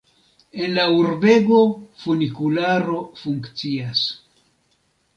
En la urbego funikularo funkcias.